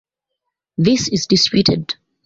This is disputed.